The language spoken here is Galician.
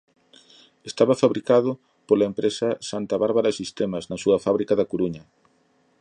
Estaba fabricado pola empresa Santa Bárbara Sistemas na súa fábrica da Coruña.